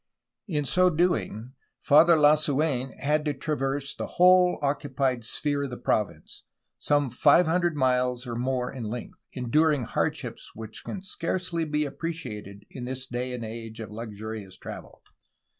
In so doing Father Lasuen had to traverse the whole occupied sphere of the province, some five hundred miles or more in length, enduring hardships which can scarcely be appreciated in this day and age of luxurious travel.